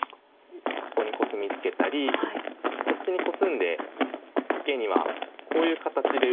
ここにコスミツケたりこっちにコスんでツケにはこういう形で受けるとかいうのも。